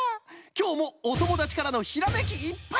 きょうもおともだちからのひらめきいっぱいのこうさく